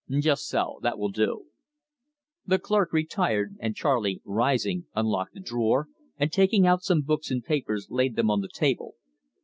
"Just so. That will do." The clerk retired, and Charley, rising, unlocked a drawer, and taking out some books and papers, laid them on the table.